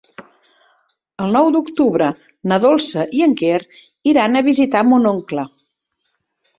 El nou d'octubre na Dolça i en Quer iran a visitar mon oncle.